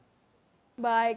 baik terima kasih perbincangan